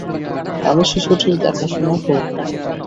আমি শিশুটির দেখাশোনা করবো।